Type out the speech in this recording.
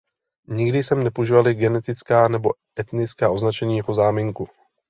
Nikdy jsme nepoužívali genetická nebo etnická označení jako záminku.